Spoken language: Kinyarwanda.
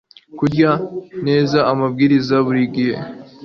kurya neza amabwiriza buri gihe